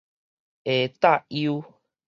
下塔悠